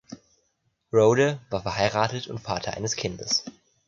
Rohde war verheiratet und Vater eines Kindes.